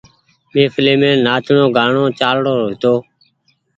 مهڦلي مين نآچڻو گآڻو چآل رو هيتو۔